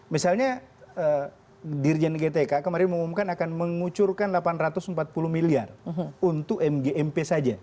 misalnya dirjen gtk kemarin mengumumkan akan mengucurkan delapan ratus empat puluh miliar untuk mgmp saja